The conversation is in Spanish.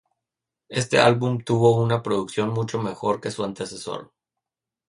Este álbum tuvo una producción mucho mejor que su antecesor.